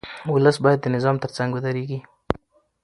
ولس باید د نظام ترڅنګ ودرېږي.